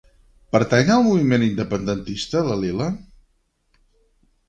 Pertany al moviment independentista la Lila?